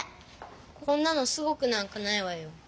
こんなのすごくなんかないわよ。